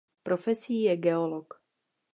Profesí je geolog.